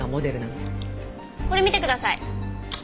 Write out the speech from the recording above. これ見てください。